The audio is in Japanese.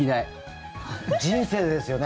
人生でですよね。